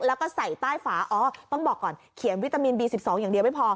แล้วก็ใส่ใต้ฝาอ๋อต้องบอกก่อนเขียนวิตามินบี๑๒อย่างเดียวไม่พอ